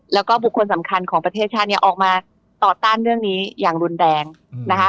แล้วก็บุคคลสำคัญของประเทศชาติเนี่ยออกมาต่อต้านเรื่องนี้อย่างรุนแรงนะคะ